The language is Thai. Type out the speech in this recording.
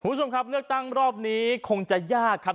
คุณผู้ชมครับเลือกตั้งรอบนี้คงจะยากครับ